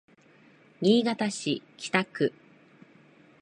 新潟市北区